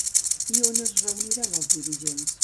I on es reuniran els dirigents?